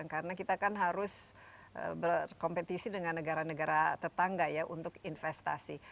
karena kita kan harus berkompetisi dengan negara negara tetangga ya untuk investasi